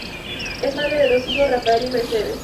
Es madre de dos hijos, Rafael y Mercedes.